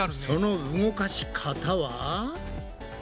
その動かし方は？